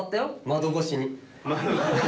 窓越しに。